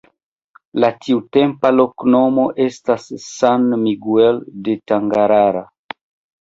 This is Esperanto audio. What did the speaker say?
La tiutempa loknomo estis ’’San Miguel de Tangarara’’.